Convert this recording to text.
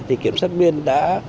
thì kiểm sát biên đã